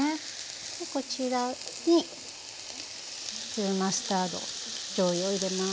こちらに粒マスタードじょうゆを入れます。